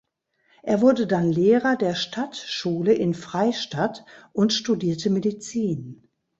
Er wurde dann Lehrer der Stadtschule in Freystadt und studierte Medizin.